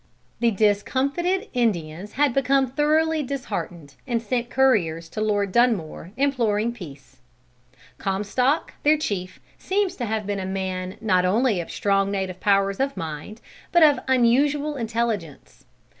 The discomfited Indians had become thoroughly disheartened, and sent couriers to Lord Dunmore imploring peace. Comstock, their chief, seems to have been a man not only of strong native powers of mind, but of unusual intelligence.